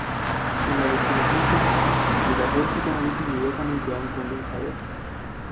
En la destilación simple, el vapor se canaliza inmediatamente a un condensador.